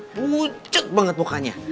bucet banget mukanya